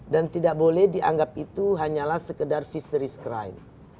dan tidak boleh dianggap itu hanyalah sekedar fisheries crime